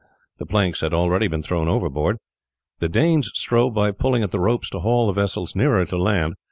The planks had already been thrown overboard. The Danes strove by pulling at the ropes to haul the vessels nearer to land.